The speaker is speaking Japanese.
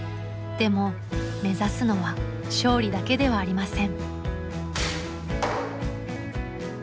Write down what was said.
でも目指すのは勝利だけではありません。